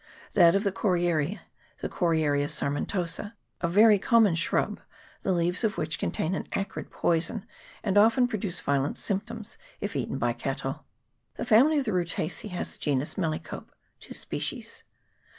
That of the Coriariea the Coriaria sarmentosa, a very common shrub, the leaves of which contain an acrid poison, and often produce violent symptoms if eaten by cattle. The family of the Rutacea has the genus Melicope (2 species).